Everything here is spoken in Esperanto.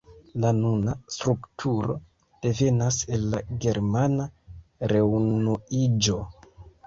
La nuna strukturo devenas el la germana reunuiĝo.